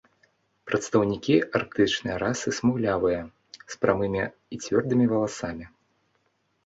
Прадстаўнікі арктычнай расы смуглявыя, з прамымі і цвёрдымі валасамі.